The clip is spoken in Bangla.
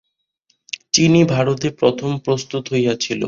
চিনি ভারতে প্রথম প্রস্তুত হইয়াছিল।